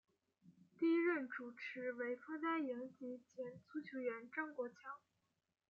第一代主持为方嘉莹及前足球员张国强。